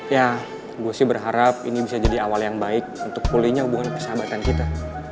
ya gue sih berharap ini bisa jadi awal yang baik untuk pulihnya hubungan persahabatan kita